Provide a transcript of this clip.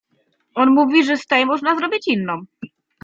On mówi, że z tej można zrobić inną.